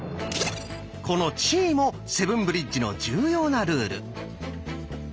この「チー」もセブンブリッジの重要なルール。